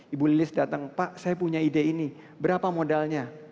ibu lilis datang pak saya punya ide ini berapa modalnya